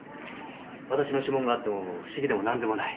わたしの指紋があっても不思議でも何でもない。